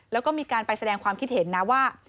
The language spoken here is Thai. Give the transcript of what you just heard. แล้วก็มีการไปแสดงความคิดเห็นนะว่า